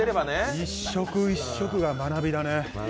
一食一食が学びだね。